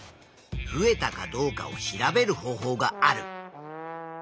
増えたかどうかを調べる方法がある。